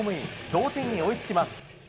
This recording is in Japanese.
同点に追いつきます。